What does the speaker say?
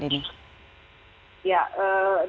seperti apa bu pemanfaatan yang dilakukan